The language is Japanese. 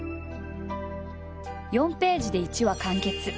４ページで一話完結。